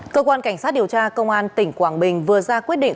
cơ quan cảnh sát điều tra công an tỉnh quảng bình vừa ra quyết định